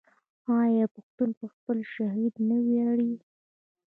آیا پښتون په خپل شهید نه ویاړي؟